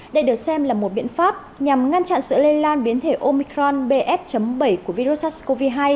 đây được xem là một biện pháp nhằm ngăn chặn sự lây lan biến thể omicron bs bảy của virus sars cov hai